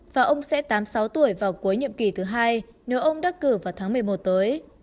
và ông sẽ tám mươi sáu tuổi vào cuối nhiệm kỳ thứ hai nếu ông đắc cử vào tháng một mươi một tới